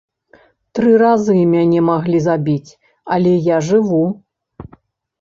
Тры разы мяне маглі забіць, але я жыву.